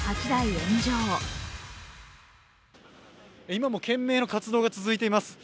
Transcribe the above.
今も懸命の活動が続いています。